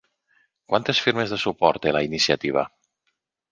Quantes firmes de suport té la iniciativa?